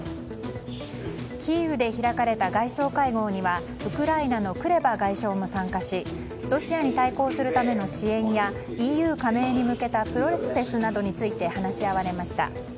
キーウで開かれた外相会合にはウクライナのクレバ外相も参加しロシアに対抗するための支援やＥＵ加盟に向けたプロセスなどについて話し合われました。